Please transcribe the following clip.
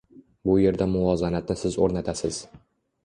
Bu yerda muvozanatni siz oʻrnatasiz.